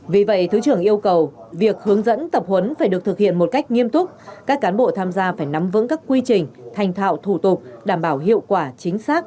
vì vậy thứ trưởng yêu cầu việc hướng dẫn tập huấn phải được thực hiện một cách nghiêm túc các cán bộ tham gia phải nắm vững các quy trình thành thạo thủ tục đảm bảo hiệu quả chính xác